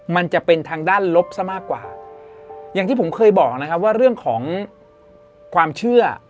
มันจะเป็นทางด้านลบซะมากกว่าอย่างที่ผมเคยบอกนะครับว่าเรื่องของความเชื่อ